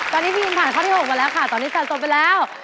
ตอนนี้พี่อิคะผ่านค่าที่๖มาแล้วตอนนี้สังเกตแล้ว